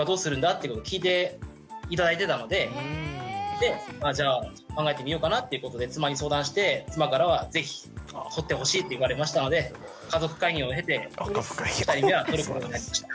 ってことを聞いて頂いてたのででじゃあ考えてみようかなっていうことで妻に相談して妻からは是非取ってほしいって言われましたので家族会議を経て２人目は取ることになりました。